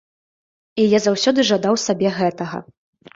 І я заўсёды жадаў сабе гэтага.